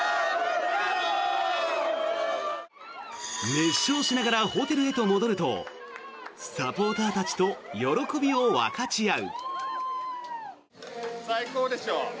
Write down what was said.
熱唱しながらホテルへと戻るとサポーターたちと喜びを分かち合う。